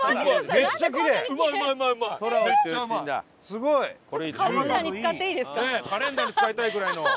すごい！ねえカレンダーに使いたいぐらいの。